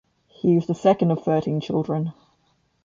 He is the second of thirteen children.